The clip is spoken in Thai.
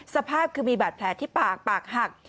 สภาพคือมีบาดแผลที่ปากปากหัก